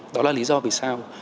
đó là lý do vì sao